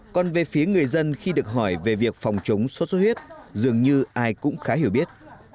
còn về phía người dân khi được hỏi về việc phòng chống sốt xuất huyết dường như ai cũng khá hiểu biết